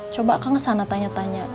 coba akan kesana tanya tanya